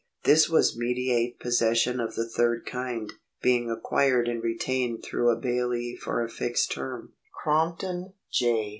This was mediate possession of the third kind, being acquired and retained through a bailee for a fixed term. Cromp ton, J.